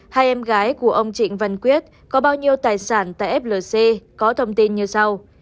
hai em gái của ông trịnh văn quyết có bao nhiêu tài sản tại flc có thông tin như sau